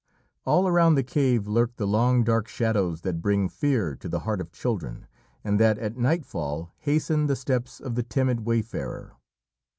All around the cave lurked the long dark shadows that bring fear to the heart of children, and that, at nightfall, hasten the steps of the timid wayfarer.